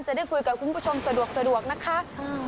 จะได้คุยกับคุณผู้ชมสะดวกนะคะ